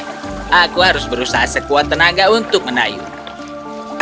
aku harus berusaha sekuat tenaga untuk menayung